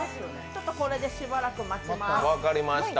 ちょっとこれでしばらく待ちます。